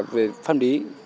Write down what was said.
về pháp lý